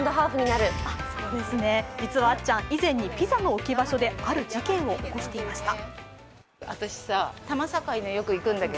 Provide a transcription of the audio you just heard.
実はあっちゃん、以前にピザの置き場所である事件を起こしていました。